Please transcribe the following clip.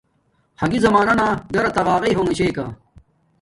حرگی زمانانا گھرا تاقاقݵ ہونگے چھے کا